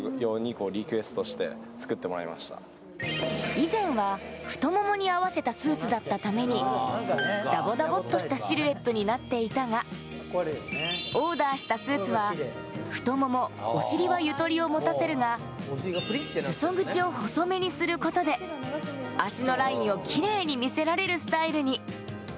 以前は太ももに合わせたスーツだったために、ダボダボっとしたシルエットになっていたが、オーダーしたスーツは、太もも・お尻はゆとりをもたせるが、すそ口を細めにすることで、足のラインをキレイに見せられるスタイルに。